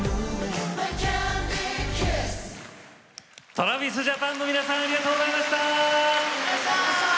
ＴｒａｖｉｓＪａｐａｎの皆さんありがとうございました。